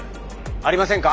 ありませんか？